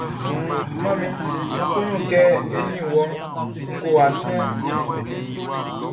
Manmi, Nʼkunnu kɛ eni wɔ ngowa siɛnʼn.